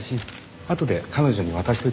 あとで彼女に渡しておいてください。